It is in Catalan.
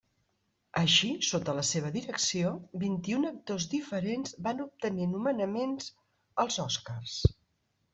Així, sota la seva direcció, vint-i-un actors diferents van obtenir nomenaments als Oscars.